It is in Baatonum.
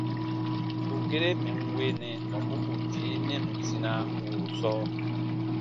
Bù gere mɛ̀ n weenɛ tɔmbu bù tii nɛnusina wùuru sɔɔ.